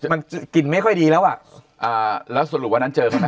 มันกลิ่นไม่ค่อยดีแล้วอ่ะอ่าแล้วสรุปวันนั้นเจอคนไหน